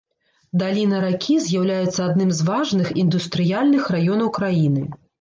Даліна ракі з'яўляецца адным з важных індустрыяльных раёнаў краіны.